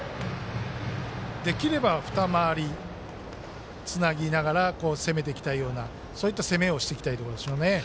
できれば、２回り、つなぎながら攻めていきたいような攻めをしていきたいところでしょうね。